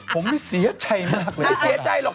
ผมไม่เสียใจมากเลยไม่เสียใจหรอก